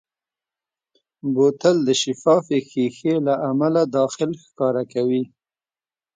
بوتل د شفافې ښیښې له امله داخل ښکاره کوي.